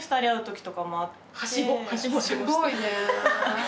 すごいね。